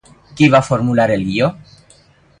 Qui va formular el guió?